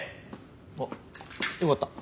あっよかった。